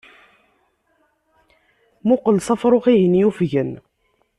Muqel s afrux-ihin yufgen.